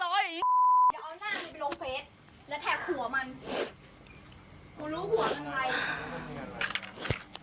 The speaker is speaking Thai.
เดี๋ยวเอาหน้าชี้ไปลมเฟส